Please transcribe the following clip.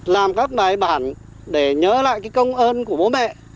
làm các bài bản để nhớ lại công ơn của bố mẹ